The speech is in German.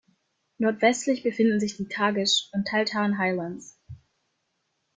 Nordwestlich befinden sich die "Tagish" und "Tahltan Highlands".